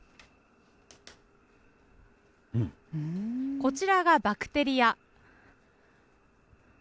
こちらがバクテリア。